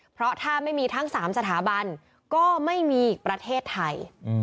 เพราะถ้าไม่มีทั้ง๓สถาบันก็ไม่มีประเทศไทย